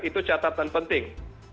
itu catatan penting